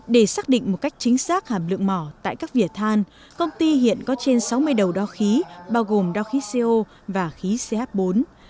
để xác định một cách chính xác hàm lượng mỏ tại các vỉa than công ty hiện có trên sáu mươi đầu đo khí bao gồm đo khí co và khí ch bốn